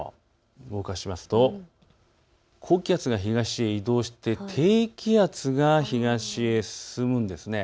動かしますと高気圧が東へ移動して低気圧が東へ進むんです。